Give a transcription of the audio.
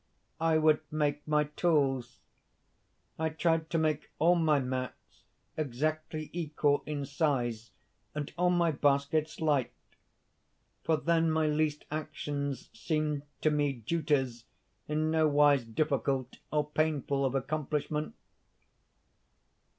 I would make my tools; I tried to make all my mats exactly equal in size, and all my baskets light; for then my least actions seemed to me duties in nowise difficult or painful of accomplishment.